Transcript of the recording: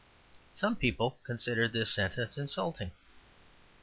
Some people considered this sentence insulting.